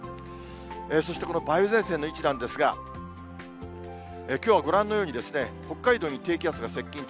そして、この梅雨前線の位置なんですが、きょうはご覧のように、北海道に低気圧が接近中。